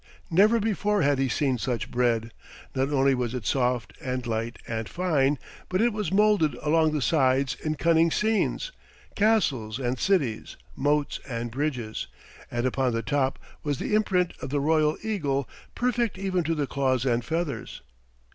Never before had he seen such bread. Not only was it soft and light and fine, but it was molded along the sides in cunning scenes, castles and cities, moats and bridges, and upon the top was the imprint of the royal eagle, perfect even to the claws and feathers.